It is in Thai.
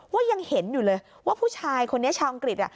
ยังเห็นอยู่เลยว่าผู้ชายคนนี้ชาวอังกฤษ